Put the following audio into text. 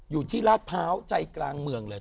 อยู่ที่ลาดพร้าวใจกลางเมืองเลย